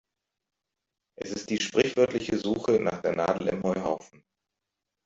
Es ist die sprichwörtliche Suche nach der Nadel im Heuhaufen.